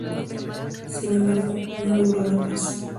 Sin embargo, no logró la paz.